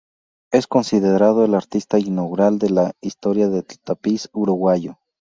Es considerado el artista inaugural de la historia del tapiz uruguayo.